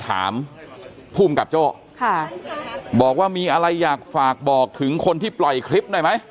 ถามภูมิกับโจ้ค่ะบอกว่ามีอะไรอยากฝากบอกถึงคนที่ปล่อยคลิปหน่อยไหม